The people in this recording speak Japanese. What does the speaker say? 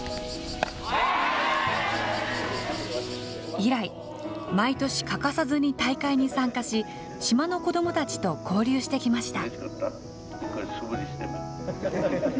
以来、毎年欠かさずに大会に参加し、島の子どもたちと交流してきました。